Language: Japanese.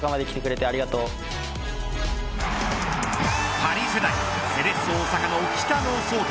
パリ世代セレッソ大阪の北野颯太